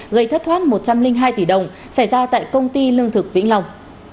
gây thất thoát một trăm linh hai tỷ đồng xảy ra tại công ty lương thực vĩnh long